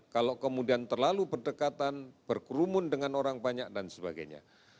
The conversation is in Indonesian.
kalau kemudian terlalu berdekatan berkerumun dengan orang banyak dan sebagainya